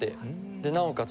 でなおかつ